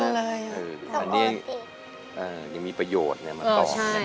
แล้วอันนี้ยังมีประโยชน์มาต่อ